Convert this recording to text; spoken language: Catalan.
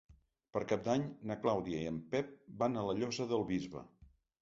Per Cap d'Any na Clàudia i en Pep van a la Llosa del Bisbe.